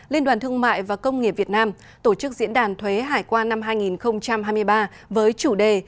liên đoàn thương mại và công nghiệp việt nam tổ chức diễn đàn thuế hải quan năm hai nghìn hai mươi ba với chủ đề